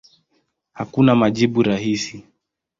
Hakuna majibu rahisi.